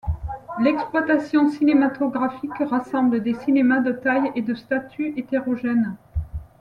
L'exploitation cinématographique rassemble des cinémas de taille et de statuts hétérogènes.